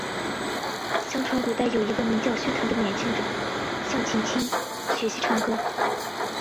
相传古代有一个名叫薛谭的年轻人向秦青学习唱歌。